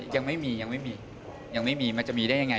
ยังไม่มียังไม่มียังไม่มีมันจะมีได้ยังไง